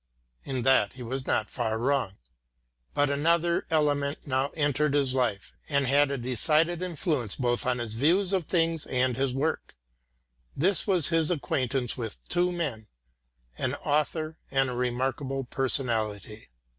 In that he was not far wrong. But another element now entered into his life, and had a decided influence both on his views of things and his work. This was his acquaintance with two men, an author and a remarkable personality.